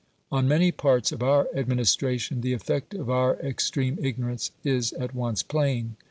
On many parts of our administration the effect of our extreme ignorance is at once plain.